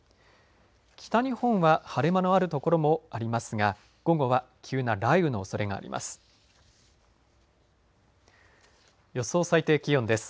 北日本は晴れ間のある所もありますが午後は急な雷雨のおそれがあります。